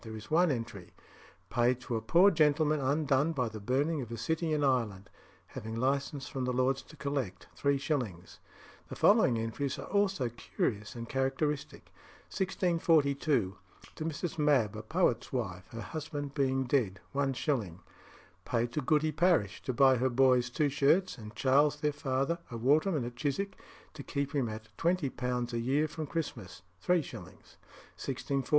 There is one entry Paid to a poor gentleman undone by the burning of a city in Ireland; having licence from the lords to collect £0 3 0 The following entries are also curious and characteristic: 1642. To Mrs. Mabb, a poet's wife, her husband being dead £0 1 0 Paid to Goody Parish, to buy her boys two shirts; and Charles, their father, a waterman at Chiswick, to keep him at £20 a year from Christmas 0 3 0 1648.